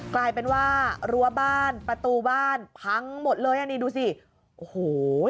กลายเป็นว่ารั้วบ้านประตูบ้านพังหมดเลยอ่ะนี่ดูสิโอ้โห